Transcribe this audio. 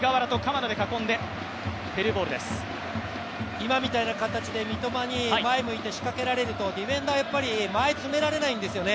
今みたいな形で三笘に前を向いて仕掛けられるとディフェンダー前を詰められないんですよね。